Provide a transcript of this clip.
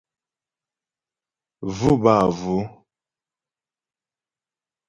Vʉ̂ bə́ â vʉ̌.